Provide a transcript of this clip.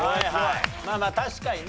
まあまあ確かにな。